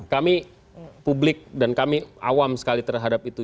kami publik dan kami awam sekali terhadap itu